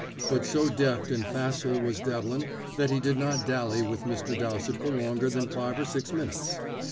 But so deft and facile was Devlin that he did not dally with Mr. Dowsett for longer than five or six minutes.